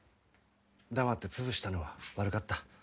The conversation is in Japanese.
黙って潰したのは悪かった。